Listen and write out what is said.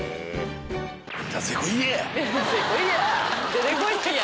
出てこいや！